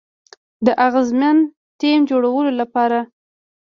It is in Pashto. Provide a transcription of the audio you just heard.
د اغیزمن ټیم جوړولو لپاره